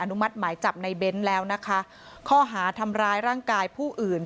มัติหมายจับในเบ้นแล้วนะคะข้อหาทำร้ายร่างกายผู้อื่น